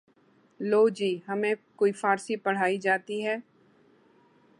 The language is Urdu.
لو جی ہمیں کوئی فارسی پڑھائی جاتی ہے